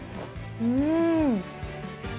うん！